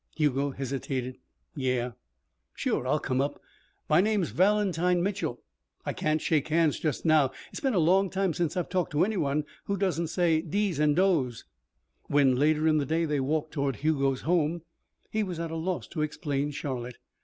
Hugo hesitated. "Yeah." "Sure I'll come up. My name's Valentine Mitchel. I can't shake hands just now. It's been a long time since I've talked to any one who doesn't say 'deez' and 'doze.'" When, later in the day, they walked toward Hugo's home, he was at a loss to explain Charlotte.